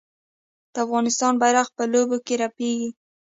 د افغانستان بیرغ په لوبو کې رپیږي.